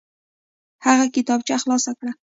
هغه کتابچه خلاصه کړه.